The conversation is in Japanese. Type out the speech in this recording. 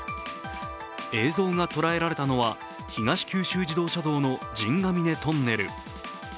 映像が捉えられたのは、東九州自動車道の陣ヶ峰トンネル。